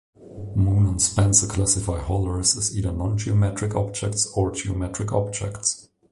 Moon and Spencer classify holors as either nongeometric objects or geometric objects.